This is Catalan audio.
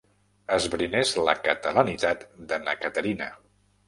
Esbrinés la catalanitat de na Caterina.